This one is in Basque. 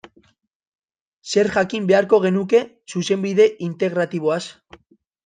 Zer jakin beharko genuke Zuzenbide Integratiboaz?